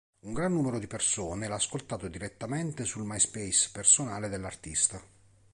Un gran numero di persone l'ha ascoltato direttamente sul MySpace personale dell'artista.